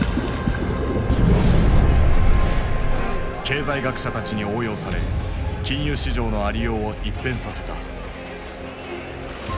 経済学者たちに応用され金融市場のありようを一変させた。